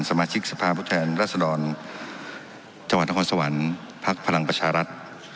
สมาชิกสภาพุทธแหล่นลัตรสไลน์ชาวาคอนสหวัญภาคพลังประชารัฐ